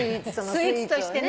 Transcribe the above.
スイーツとしてね。